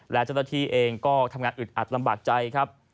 และเจ้าหน้าที่เองก็ทำงานอึดอัดลำบากใจครับ